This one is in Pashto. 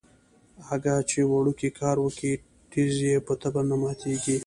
اگه چې وړوکی کار وکي ټيز يې په تبر نه ماتېږي.